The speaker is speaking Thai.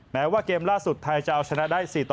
แม้ว่าเกมล่าสุดไทยจะเอาชนะได้๔ต่อ